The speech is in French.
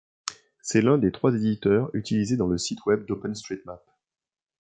C'est l'un des trois éditeurs utilisés dans le site web d'OpenStreetMap.